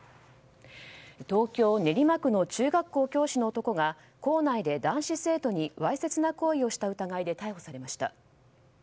東京・練馬区の中学校教師の男が校内で男子生徒にわいせつな行為をした疑いで逮捕されました。